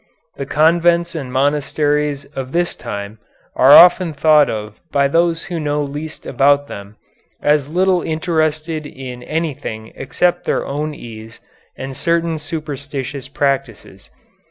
The convents and monasteries of this time are often thought of by those who know least about them as little interested in anything except their own ease and certain superstitious practices.